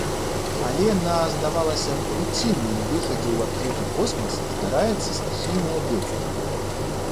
Але на, здавалася б, руцінным выхадзе ў адкрыты космас здараецца стыхійнае бедства.